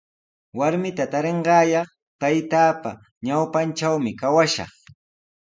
Warmita tarinqaayaq taytaapa ñawpantrawmi kawashaq.